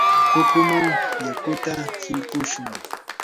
pukuman yakuta hilpushun.